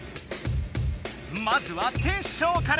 まずはテッショウから。